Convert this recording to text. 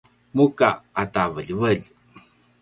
muka ata veljevelj